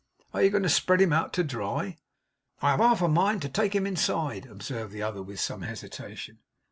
Are you going to spread him out to dry?' 'I have half a mind to take him inside,' observed the other with some hesitation.